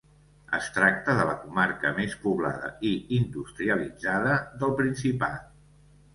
Es tracta de la comarca més poblada i industrialitzada del principat.